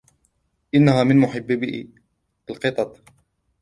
إنها من محبي القطط.